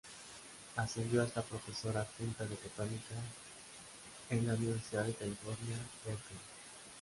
Ascendió hasta profesora adjunta de botánica en la Universidad de California, Berkeley.